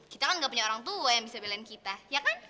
kita kan gak punya orang tua yang bisa belain kita ya kan